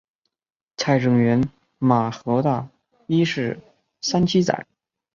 蔡正元骂何大一是三七仔。